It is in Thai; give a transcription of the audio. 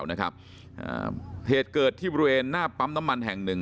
เพื่อสีขาวนะครับเหตุเกิดที่บริเวณหน้าปั๊มน้ำมันแห่งหนึ่ง